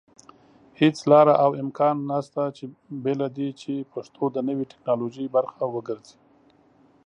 هيڅ لاره او امکان نشته بېله دې چې پښتو د نوي ټيکنالوژي پرخه وګرځي